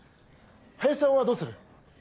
林さんはどうする？